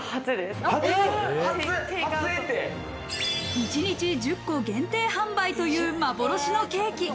一日１０個限定販売という幻のケーキ。